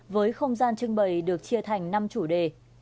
với không gian trưng bày được chia thành năm chủ đề